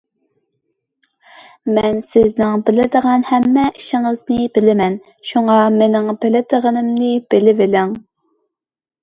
مەن سىزنىڭ قىلغان ھەممە ئىشىڭىزنى بىلىمەن، شۇڭا مېنىڭ بىلىدىغىنىمنى بىلىۋېلىڭ.